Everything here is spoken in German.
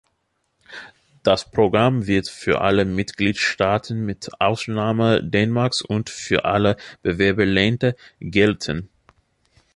Das Programm wird für alle Mitgliedstaaten mit Ausnahme Dänemarks und für alle Bewerberländer gelten.